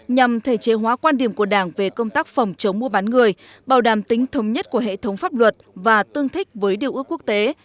nhằm thể chế hóa quan điểm của đảng về công tác phòng chống mua bán người bảo đảm tính thống nhất của hệ thống pháp luật và tương thích với điều ước quốc tế